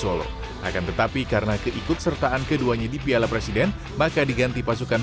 solo akan tetapi karena keikut sertaan keduanya di piala presiden maka diganti pasukan